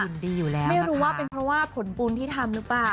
ไม่รู้ว่าเป็นเพราะผลปุ้นที่ทำหรือเปล่า